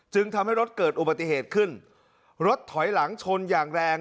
ทำให้รถเกิดอุบัติเหตุขึ้นรถถอยหลังชนอย่างแรง